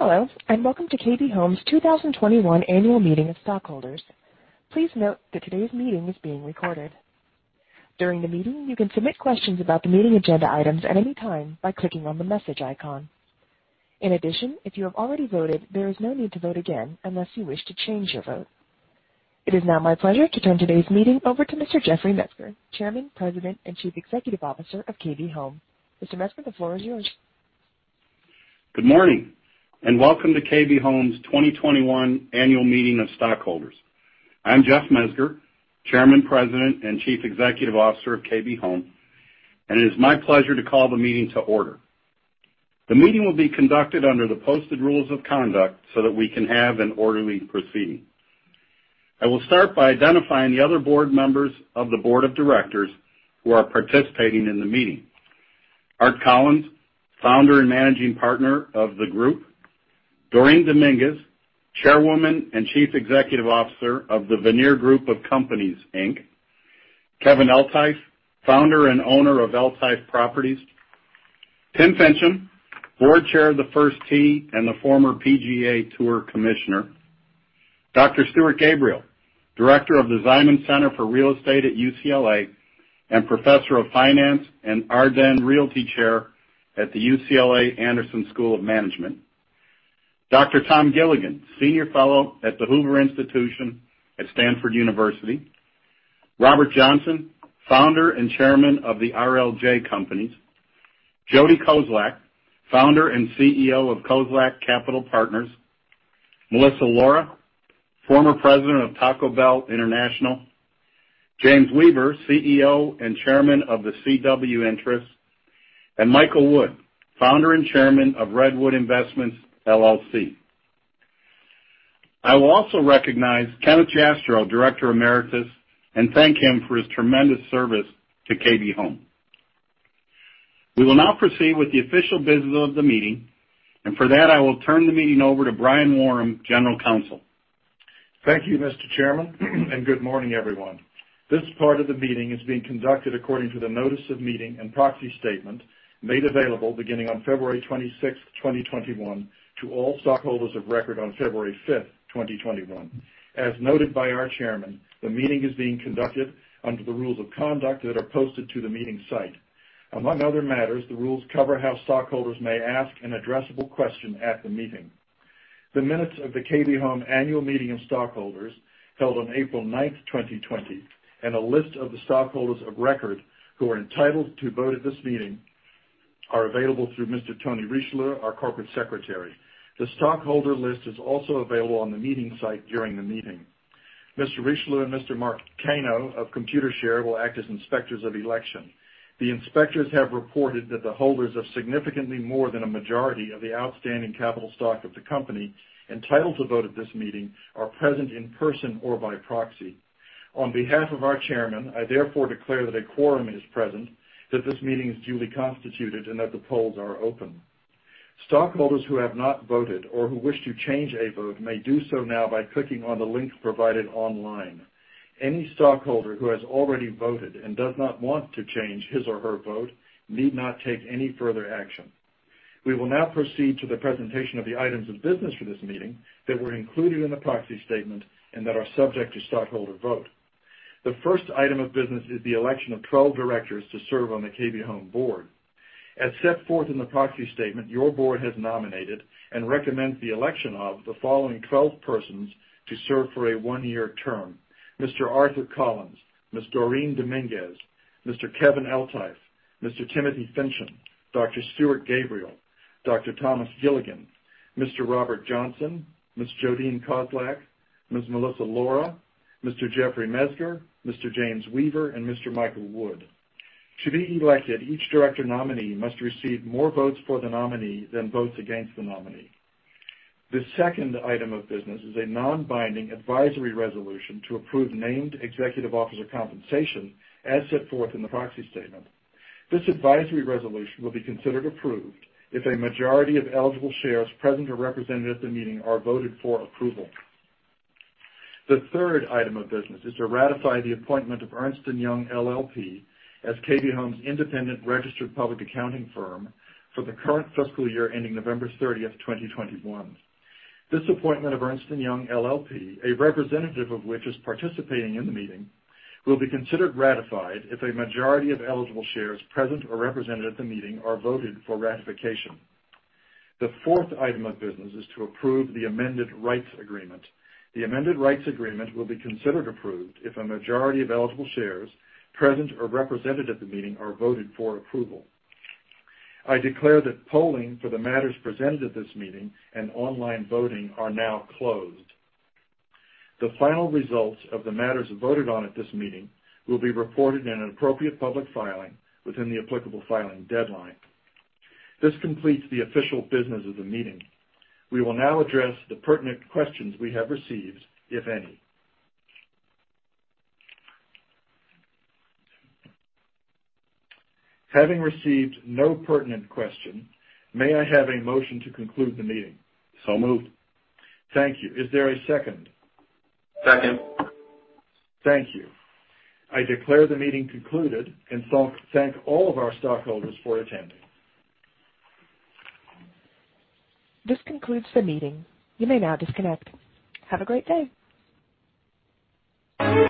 Hello, and welcome to KB Home's 2021 Annual Meeting of Stockholders. Please note that today's meeting is being recorded. During the meeting, you can submit questions about the meeting agenda items at any time by clicking on the message icon. In addition, if you have already voted, there is no need to vote again unless you wish to change your vote. It is now my pleasure to turn today's meeting over to Mr. Jeffrey Mezger, Chairman, President, and Chief Executive Officer of KB Home. Mr. Mezger, the floor is yours. Good morning, and welcome to KB Home's 2021 Annual Meeting of Stockholders. I'm Jeff Mezger, Chairman, President, and Chief Executive Officer of KB Home, and it is my pleasure to call the meeting to order. The meeting will be conducted under the posted rules of conduct so that we can have an orderly proceeding. I will start by identifying the other board members of the Board of Directors who are participating in the meeting: Art Collins, Founder and Managing Partner of theGroup; Dorene Dominguez, Chairwoman and Chief Executive Officer of the Vanir Group of Companies, Inc; Kevin Eltife, Founder and Owner of Eltife Properties; Tim Finchem, Board Chair of the First Tee and the former PGA TOUR Commissioner; Dr. Stuart Gabriel, Director of the Ziman Center for Real Estate at UCLA; and Professor of Finance and Arden Realty Chair at the UCLA Anderson School of Management. Dr. Tom Gilligan, Senior Fellow at the Hoover Institution at Stanford University, Robert Johnson, Founder and Chairman of The RLJ Companies, Jodee Kozlak, Founder and CEO of Kozlak Capital Partners, Melissa Lora, former President of Taco Bell International, James Weaver, CEO and Chairman of CW Interests, and Michael Wood, Founder and Chairman of Redwood Investments, LLC. I will also recognize Kenneth Jastrow, Director Emeritus, and thank him for his tremendous service to KB Home. We will now proceed with the official business of the meeting, and for that, I will turn the meeting over to Brian Woram, General Counsel. Thank you, Mr. Chairman, and good morning, everyone. This part of the meeting is being conducted according to the notice of meeting and proxy statement made available beginning on February 26, 2021, to all stockholders of record on February 5, 2021. As noted by our chairman, the meeting is being conducted under the rules of conduct that are posted to the meeting site. Among other matters, the rules cover how stockholders may ask an addressable question at the meeting. The minutes of the KB Home annual meeting of stockholders held on April 9, 2020, and a list of the stockholders of record who are entitled to vote at this meeting are available through Mr. Tony Richelieu, our corporate secretary. The stockholder list is also available on the meeting site during the meeting. Mr. Richelieu and Mr. Mark Kanno, Computershare, will act as inspectors of election. The inspectors have reported that the holders of significantly more than a majority of the outstanding capital stock of the company entitled to vote at this meeting are present in person or by proxy. On behalf of our chairman, I therefore declare that a quorum is present, that this meeting is duly constituted, and that the polls are open. Stockholders who have not voted or who wish to change a vote may do so now by clicking on the link provided online. Any stockholder who has already voted and does not want to change his or her vote need not take any further action. We will now proceed to the presentation of the items of business for this meeting that were included in the proxy statement and that are subject to stockholder vote. The first item of business is the election of 12 directors to serve on the KB Home Board. As set forth in the proxy statement, your board has nominated and recommends the election of the following 12 persons to serve for a one-year term: Mr. Arthur Collins, Ms. Dorene Dominguez, Mr. Kevin Eltife, Mr. Timothy Finchem, Dr. Stuart Gabriel, Dr. Thomas Gilligan, Mr. Robert Johnson, Ms. Jodeen Kozlak, Ms. Melissa Lora, Mr. Jeffrey Mezger, Mr. James Weaver, and Mr. Michael Wood. To be elected, each director nominee must receive more votes for the nominee than votes against the nominee. The second item of business is a non-binding advisory resolution to approve named executive officer compensation, as set forth in the proxy statement. This advisory resolution will be considered approved if a majority of eligible shares present or represented at the meeting are voted for approval. The third item of business is to ratify the appointment of Ernst & Young LLP as KB Home's independent registered public accounting firm for the current fiscal year ending November 30, 2021. This appointment of Ernst & Young LLP, a representative of which is participating in the meeting, will be considered ratified if a majority of eligible shares present or represented at the meeting are voted for ratification. The fourth item of business is to approve the Amended Rights Agreement. The Amended Rights Agreement will be considered approved if a majority of eligible shares present or represented at the meeting are voted for approval. I declare that polling for the matters presented at this meeting and online voting are now closed. The final results of the matters voted on at this meeting will be reported in an appropriate public filing within the applicable filing deadline. This completes the official business of the meeting. We will now address the pertinent questions we have received, if any. Having received no pertinent question, may I have a motion to conclude the meeting? So moved. Thank you. Is there a second? Second. Thank you. I declare the meeting concluded and thank all of our stockholders for attending. This concludes the meeting. You may now disconnect. Have a great day.